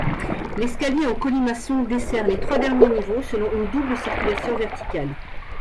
L'escalier en colimaçon dessert les trois derniers niveaux selon une double circulation verticale.